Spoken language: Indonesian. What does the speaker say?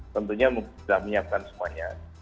tentunya sudah menyiapkan semuanya